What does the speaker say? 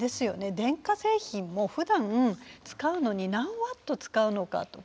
電化製品もふだん使うのに何ワット使うのかとか。